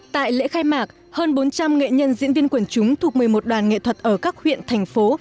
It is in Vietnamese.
tại lễ khai mạc hơn bốn trăm linh nghệ nhân diễn viên quần chúng thuộc một mươi một đoàn nghệ thuật ở các huyện thành phố